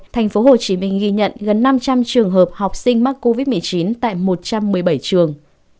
tp hcm ghi nhận gần năm trăm linh trường hợp học sinh mắc covid một mươi chín tại một trăm một mươi bảy trường